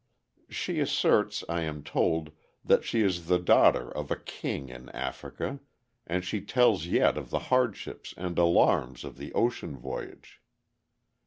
She asserts, I am told, that she is the daughter of a king in Africa, and she tells yet of the hardships and alarms of the ocean voyage.